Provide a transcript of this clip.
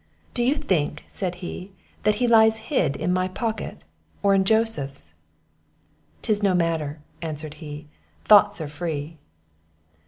"Do you think," said he, "that he lies hid in my pocket, or in Joseph's?" "'Tis no matter," answered he; "thoughts are free."